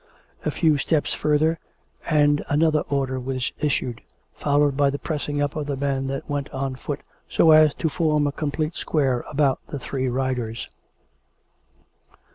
A few steps further, and another order was issued, followed by the pressing up of the men that went on foot so as to form a complete square about the three riders.